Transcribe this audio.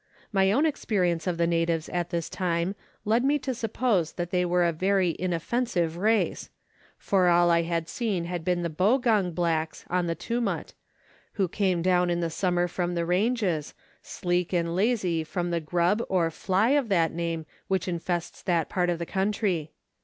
My own experience of the natives at this time led me to suppose they were a very inoffensive race ; for all I had seen had been the Bogong blacks, on the Tumut, who came down in the summer from the ranges, sleek and lazy from the grub or fly of that name which infests that part of the country.